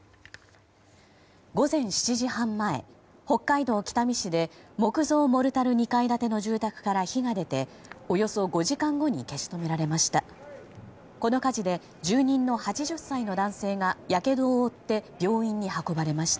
午前７時半前北海道北見市で木造モルタル２階建ての住宅から火が出ておよそ５時間後に消し止められました。